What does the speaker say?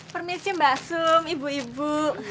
permisi mbak sum ibu ibu